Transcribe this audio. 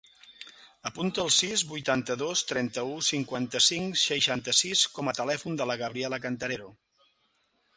Apunta el sis, vuitanta-dos, trenta-u, cinquanta-cinc, seixanta-sis com a telèfon de la Gabriela Cantarero.